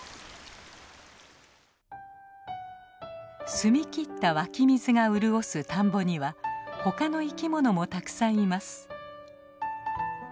澄み切った湧き水が潤す田んぼには他の生き物もたくさんいます。